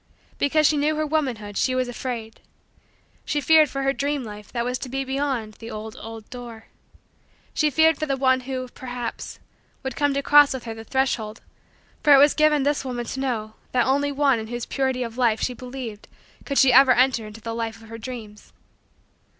Because she knew her womanhood, she was afraid. She feared for her dream life that was to be beyond the old, old, door. She feared for that one who, perhaps, would come to cross with her the threshold for it was given this woman to know that only with one in whose purity of life she believed could she ever enter into the life of her dreams.